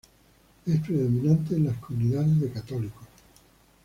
Es predominante en las comunidades de católicos.